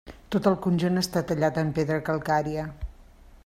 Tot el conjunt està tallat en pedra calcària.